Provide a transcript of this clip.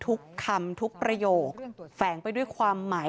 ทุกคำทุกประโยคแฝงไปด้วยความหมาย